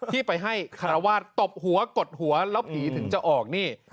ที่ไปให้คารวาสตบหัวกดหัวแล้วผีถึงจะออกนี่